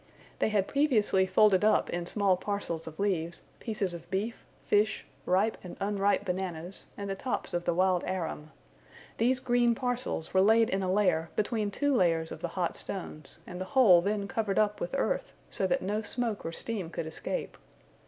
They had previously folded up in small parcels of leaves, pieces of beef, fish, ripe and unripe bananas, and the tops of the wild arum. These green parcels were laid in a layer between two layers of the hot stones, and the whole then covered up with earth, so that no smoke or steam could escape.